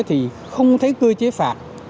thì không thấy cơ chế phạt